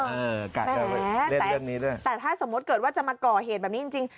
แต่ถ้าสมมติเกิดว่าจะมาก่อเหตุแบบนี้จริง